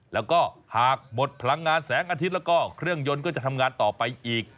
แล้วก็หากหมดพลังงานแสงอาทิตย์แล้วก็เครื่องยนต์ก็จะทำงานต่อไปอีก